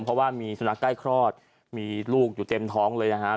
เพราะว่ามีสุนัขใกล้คลอดมีลูกอยู่เต็มท้องเลยนะครับ